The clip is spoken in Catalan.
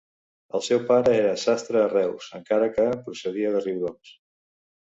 El seu pare era sastre a Reus, encara que procedia de Riudoms.